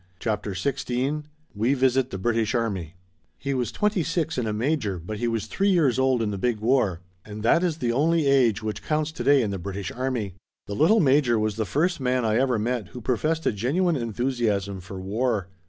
CHAPTER XVI WE VISIT THE BRITISH ARMY He was twenty six and a major, but he was three years old in the big war, and that is the only age which counts today in the British army. The little major was the first man I ever met who professed a genuine enthusiasm for war.